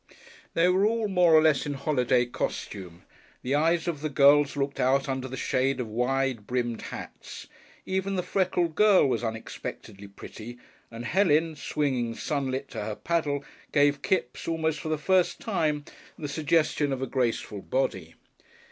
They were all more or less in holiday costume, the eyes of the girls looked out under the shade of wide brimmed hats; even the freckled girl was unexpectedly pretty, and Helen, swinging sunlit to her paddle, gave Kipps, almost for the first time, the suggestion of a graceful body.